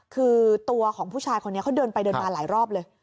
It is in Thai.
คือตัวของผู้ชายคนนี้เขาเดินไปเดินมาหลายรอบเลย